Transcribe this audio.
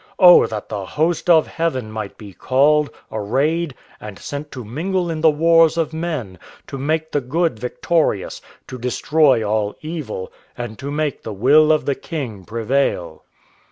Oh, that the host of Heaven might be called, arrayed, and sent to mingle in the wars of men, to make the good victorious, to destroy all evil, and to make the will of the King prevail!